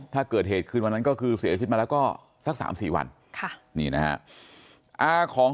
ถ้าเกิดเหตุคืนวันนั้นก็คือเสียชีวิตมาแล้วก็สัก๓๔วันนี่นะฮะ